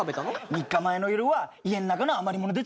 ３日前の夜は家の中の余り物で作ったの。